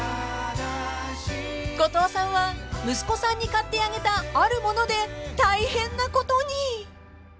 ［後藤さんは息子さんに買ってあげたある物で大変なことに］